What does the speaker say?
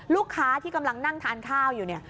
ลูกค้าที่กำลังนั่งทานข้าวอยู่เนี่ย